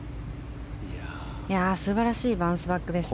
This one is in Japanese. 素晴らしいバウンスバックですね。